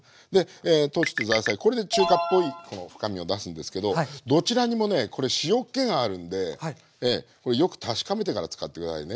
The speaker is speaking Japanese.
これで中華っぽい深みを出すんですけどどちらにもねこれ塩っ気があるんでよく確かめてから使って下さいね。